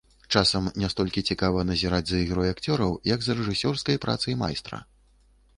Часам не столькі цікава назіраць за ігрой акцёраў, як за рэжысёрскай працай майстра.